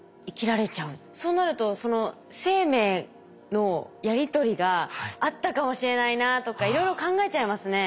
そうなると生命のやり取りがあったかもしれないなとかいろいろ考えちゃいますね。